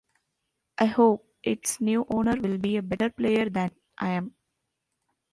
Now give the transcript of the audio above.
I hope its new owner will be a better player than I am.